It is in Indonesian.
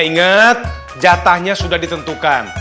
ingat jatahnya sudah ditentukan